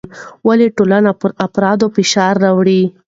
ولې ټولنه پر افرادو فشار راوړي؟